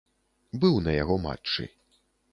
Быў на яго матчы.